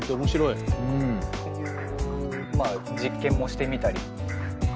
いうまあ実験もしてみたり。